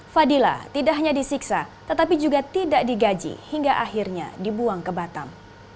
fadila tidak hanya disiksa tetapi juga tidak digaji hingga akhirnya dibuang ke batam